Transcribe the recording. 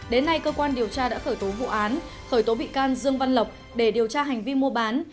đến nay cơ quan điều tra đã khởi tố vụ án khởi tố bị can dương văn lộc để điều tra hành vi mua bán